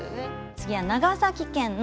次は長崎県の